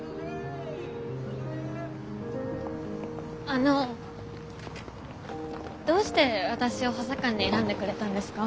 あのどうして私を補佐官に選んでくれたんですか？